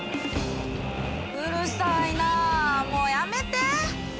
うるさいなもうやめて。